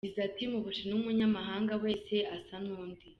Yagize ati “Mu Bushinwa, umunyamahanga wese asa n’undi.